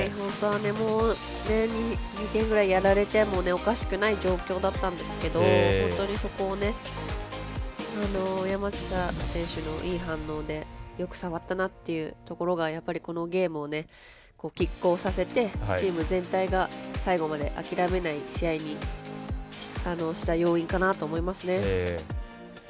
もう２点ぐらいやられてもおかしくない状況だったんですけど本当にそこを山下選手のいい反応でよく触ったなっていうところがこのゲームをきっ抗させてチーム全体が諦めない試合にした要因かなと思いますね。